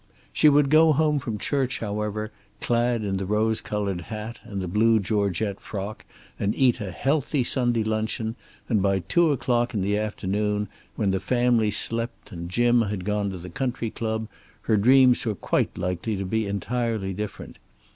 She would go home from church, however, clad in the rose colored hat and the blue georgette frock, and eat a healthy Sunday luncheon; and by two o'clock in the afternoon, when the family slept and Jim had gone to the country club, her dreams were quite likely to be entirely different.